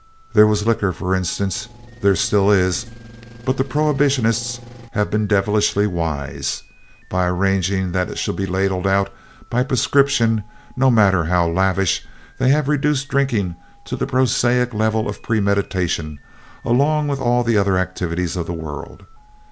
There was liquor, for instance. There still is, but the prohibitionists have been devilishly wise. By arranging that it shall be ladled out by prescriptions, no matter how lavish, they have reduced drinking to the prosaic level of premeditation along with all the other activities of the world.